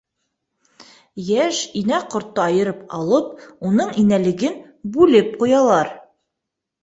Йәш инә ҡортто айырып алып, уның инәлеген бүлеп ҡуялар.